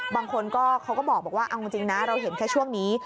บางคนก็เขาก็บอกว่าเอาจริงนะเราเห็นแค่ช่วงนี้